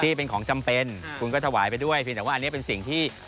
ที่เป็นของจำเป็นคุณก็ถวายไปด้วยเพียงแต่ว่าอันนี้เป็นสิ่งที่